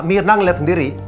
myrna ngeliat sendiri